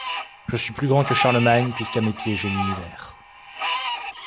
Je suis plus grand que Charlemagne puisqu’à mes pieds j’ai l’univers.